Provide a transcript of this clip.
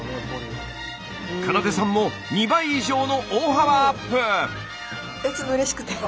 花奏さんも２倍以上の大幅アップ！